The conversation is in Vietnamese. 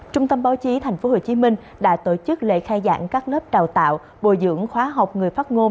trung tâm báo chí tp hcm đã tổ chức lễ khai giảng các lớp đào tạo bồi dưỡng khóa học người phát ngôn